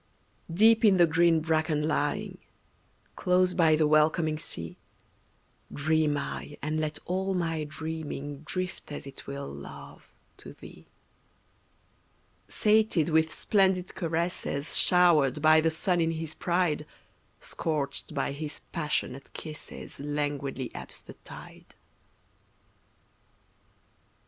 Deep in the green bracken lying, Close by the welcoming sea, Dream I, and let all my dreaming Drift as it will, Love, to thee. Sated with splendid caresses Showered by the sun in his pride, Scorched by his passionate kisses Languidly ebbs the tide.